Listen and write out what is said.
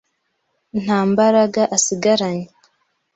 Nta mbaraga asigaranye.